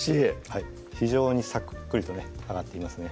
はい非常にさっくりとね揚がっていますね